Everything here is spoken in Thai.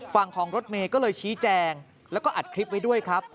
ฝั่งของรถเมย์ก็เลยชี้แจงแล้วก็อัดคลิปไว้ด้วยครับ